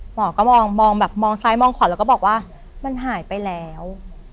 หมอก็มองซ้ายมองขวดแล้วก็บอกว่ามันหายไปแล้ว